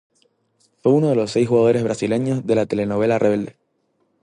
Fue uno de los seis jugadores brasileños de la telenovela Rebelde.